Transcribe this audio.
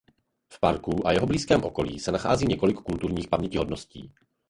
V parku a jeho blízkém okolí se nachází několik kulturních pamětihodností.